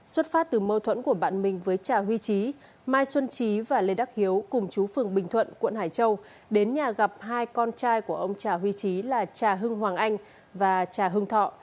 xuất phát từ mâu thuẫn của bạn mình với cha huy trí mai xuân trí và lê đắc hiếu cùng chú phường bình thuận quận hải châu đến nhà gặp hai con trai của ông trà huy trí là trà hưng hoàng anh và trà hưng thọ